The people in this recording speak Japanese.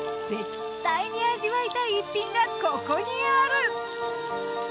絶対に味わいたい逸品がここにある！